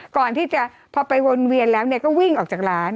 ก่อนที่จะพอไปวนเวียนแล้วก็วิ่งออกจากร้าน